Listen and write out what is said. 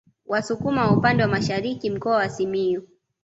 Wasukuma wa upande wa Masharini Mkoa wa Simiyu